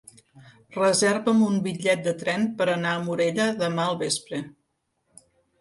Reserva'm un bitllet de tren per anar a Morella demà al vespre.